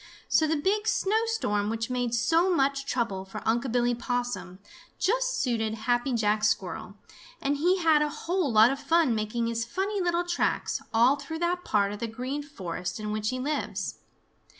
So the big snowstorm which made so much trouble for Unc' Billy Possum just suited Happy Jack Squirrel, and he had a whole lot of fun making his funny little tracks all through that part of the Green Forest in which he lives.